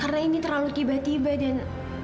karena ini terlalu tiba tiba dan